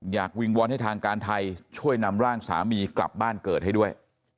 วิงวอนให้ทางการไทยช่วยนำร่างสามีกลับบ้านเกิดให้ด้วย